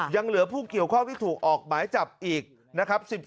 ยังเหลือผู้เกี่ยวข้องที่ถูกออกหมายจับอีกนะครับ